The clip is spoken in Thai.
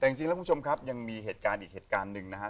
แต่จริงแล้วคุณผู้ชมครับยังมีเหตุการณ์อีกเหตุการณ์หนึ่งนะฮะ